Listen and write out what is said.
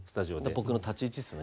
僕の立ち位置っすね